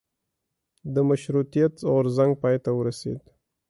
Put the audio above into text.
د مشروطیت غورځنګ پای ته ورسیده.